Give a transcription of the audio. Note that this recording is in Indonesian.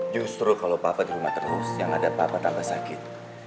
justru kalo papa di rumah terus yang ngadep papa tambah sakit